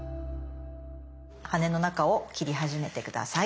羽の中を切り始めて下さい。